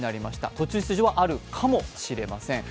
途中出場はあるかもしれません。